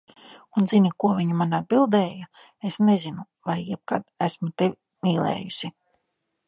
Un zini, ko viņa man atbildēja, "Es nezinu, vai jebkad esmu tevi mīlējusi."